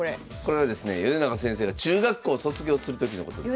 米長先生が中学校卒業する時のことです。